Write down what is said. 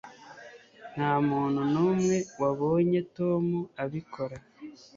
ntamuntu numwe wabonye tom abikora